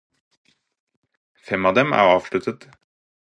Fem av dem er avsluttet.